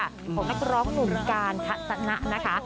หลวงบทเพลงของนักร้องหนุ่มการถสันะนะคะ